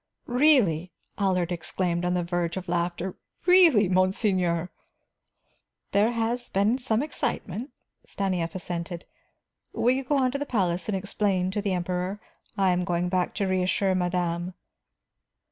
"Really," Allard exclaimed, on the verge of laughter. "Really, monseigneur " "There has been some excitement," Stanief assented. "Will you go on to the palace and explain to the Emperor? I am going back to reassure madame."